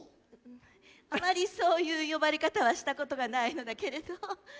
あまりそういう呼ばれ方はしたことがないのだけれど。